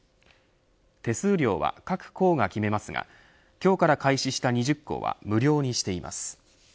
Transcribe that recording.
手数料は、各行が決めますが今日から開始した２０行は無料にしています。